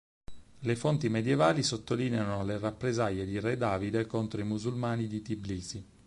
Le fonti medievali sottolineano le rappresaglie di re Davide contro i musulmani di Tbilisi.